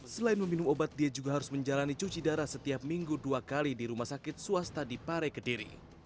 selain meminum obat dia juga harus menjalani cuci darah setiap minggu dua kali di rumah sakit swasta di pare kediri